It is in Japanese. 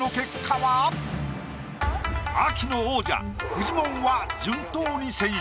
秋の王者フジモンは順当に選出。